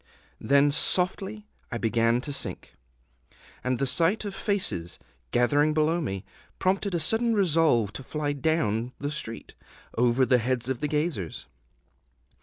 Then softly I began to sink; and the sight of faces, gathering below me, prompted a sudden resolve to fly down the street, over the heads of the gazers.